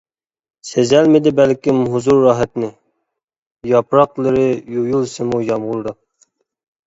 سېزەلمىدى بەلكىم ھۇزۇر راھەتنى، ياپراقلىرى يۇيۇلسىمۇ يامغۇردا.